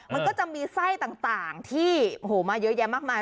มันก็จะมีไส้ต่างที่มาเยอะแยะมากมาย